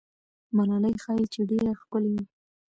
ملالۍ ښایي چې ډېره ښکلې وه.